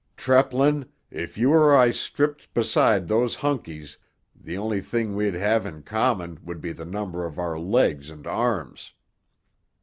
Treplin, if you or I stripped beside those Hunkies the only thing we'd have in common would be the number of our legs and arms."